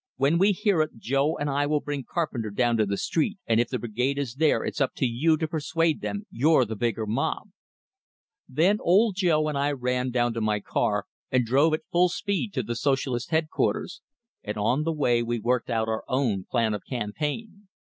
When we hear it, Joe and I will bring Carpenter down to the street, and if the Brigade is there, it's up to you to persuade them you're the bigger mob!" Then Old Joe and I ran down to my car, and drove at full speed to the Socialist headquarters; and on the way we worked out our own plan of campaign.